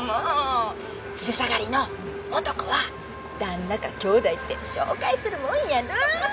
昼下がりの男は旦那か兄弟って紹介するもんやない？